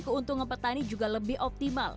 keuntungan petani juga lebih optimal